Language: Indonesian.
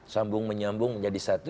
sambung menyambung menjadi satu